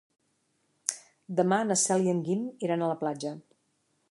Demà na Cel i en Guim iran a la platja.